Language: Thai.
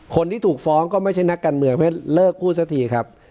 คนที่ถูกฟ้องก็ไม่ใช่นักการเมืองไม่เลิกกู้ซะทีครับ